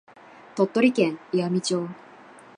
鳥取県岩美町